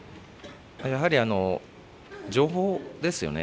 やはり、情報ですよね。